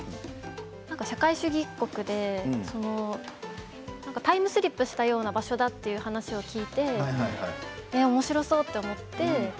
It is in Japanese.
社会主義国でタイムスリップしたような場所だということを聞いておもしろそうと思って。